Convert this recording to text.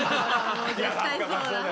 もう絶対そうだ。